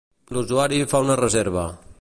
L'usuari fa una reserva.